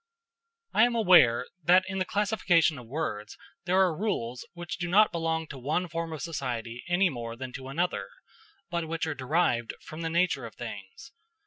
I am aware that in the classification of words there are rules which do not belong to one form of society any more than to another, but which are derived from the nature of things.